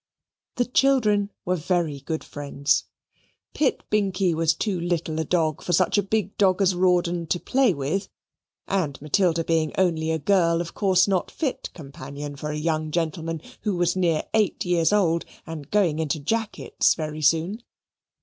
The children were very good friends. Pitt Binkie was too little a dog for such a big dog as Rawdon to play with; and Matilda being only a girl, of course not fit companion for a young gentleman who was near eight years old, and going into jackets very soon.